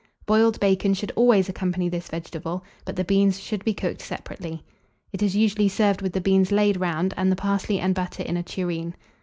Boiled bacon should always accompany this vegetable, but the beans should be cooked separately. It is usually served with the beans laid round, and the parsley and butter in a tureen.